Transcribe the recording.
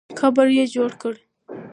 قبر یې جوړ کړه.